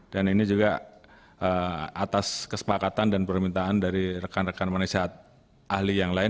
dan ini juga atas kesepakatan dan permintaan dari rekan rekan penasihat ahli yang lain